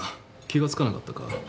気が付かなかったか？